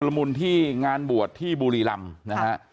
ชุดละมูลที่งานบวชที่บุรีรัมนะฮะ